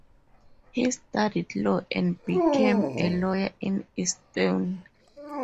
He studied law and became a lawyer in Easton.